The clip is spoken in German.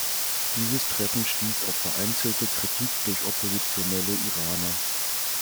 Dieses Treffen stieß auf vereinzelte Kritik durch oppositionelle Iraner.